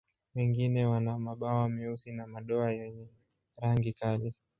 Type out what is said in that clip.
Wengine wana mabawa meusi na madoa wenye rangi kali.